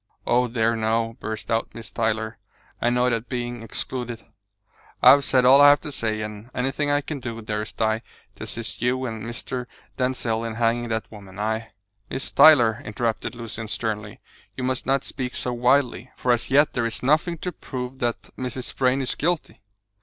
Oh, dear, no!" burst out Miss Tyler, annoyed at being excluded. "I've said all I have to say, and anything I can do, dearest Di, to assist you and Mr. Denzil in hanging that woman, I " "Miss Tyler," interrupted Lucian sternly, "you must not speak so wildly, for as yet there is nothing to prove that Mrs. Vrain is guilty."